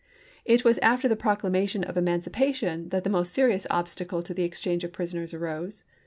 It was after the Proclamation of Emancipation that the most serious obstacle to the exchange of prisoners arose.